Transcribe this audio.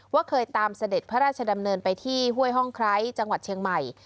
เคยตามเสด็จพระราชดำเนินไปที่ห้วยห้องไคร้จังหวัดเชียงใหม่